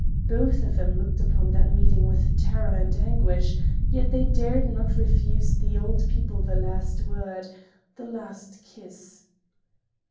Both of them looked upon that meeting with terror and anguish, yet they dared not refuse the old people the last word, the last kiss.